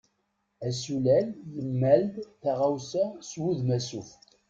Asulay yemmal-d taɣawsa s wudem asuf.